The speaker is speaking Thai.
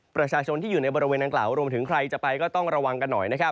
ประชาชนที่อยู่ในบริเวณนางกล่าวรวมถึงใครจะไปก็ต้องระวังกันหน่อยนะครับ